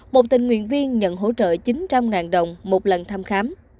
một tình nguyện viên nhận hỗ trợ chín trăm linh đồng một lần thăm khám